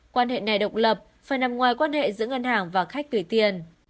quan hệ này độc lập phải nằm ngoài quan hệ giữa ngân hàng và khách gửi tiền